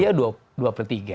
iya dua per tiga